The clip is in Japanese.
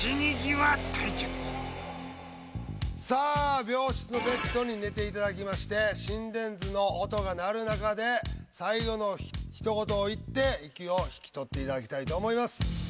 さあ病室のベッドに寝ていただきまして心電図の音が鳴る中で最期の一言を言って息を引き取っていただきたいと思います。